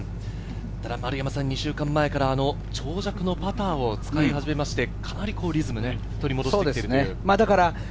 ２週間前から長尺のパターを使い始めまして、かなりリズムを取り戻してきました。